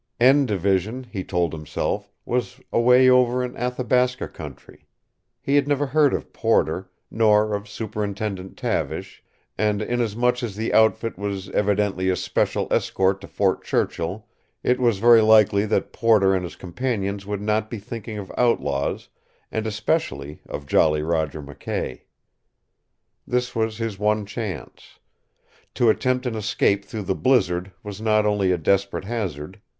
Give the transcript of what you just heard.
"N" Division, he told himself, was away over in the Athabasca country. He had never heard of Porter, nor of Superintendent Tavish, and inasmuch as the outfit was evidently a special escort to Fort Churchill it was very likely that Porter and his companions would not be thinking of outlaws, and especially of Jolly Roger McKay. This was his one chance. To attempt an escape through the blizzard was not only a desperate hazard.